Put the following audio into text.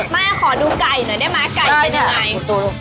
แม่ขอดูไก่หน่อยได้ไหมไก่เป็นยังไง